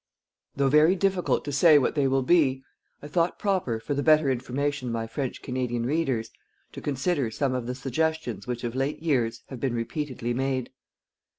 Though very difficult to say what they will be, I thought proper, for the better information of my French Canadian readers, to consider some of the suggestions which of late years have been repeatedly made.